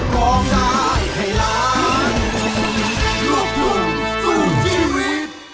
กลับหน้าเธอสิหนีไปด้วยกันแน่